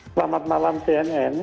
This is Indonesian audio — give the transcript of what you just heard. selamat malam cnn